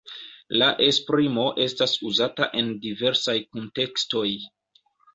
La esprimo estas uzata en diversaj kuntekstoj.